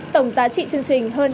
tổng giá trị chương trình